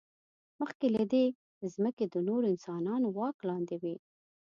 مخکې له دې، ځمکې د نورو انسانانو واک لاندې وې.